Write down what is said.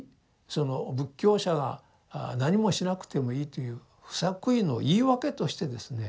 その仏教者が何もしなくてもいいという不作為の言い訳としてですね